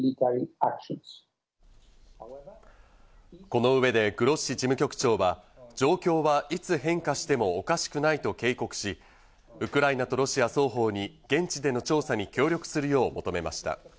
この上でグロッシ事務局長は、状況がいつ変化してもおかしくないと警告し、ウクライナとロシア双方に現地での調査に協力するよう求めました。